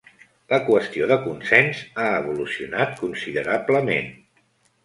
La qüestió de consens ha evolucionat considerablement.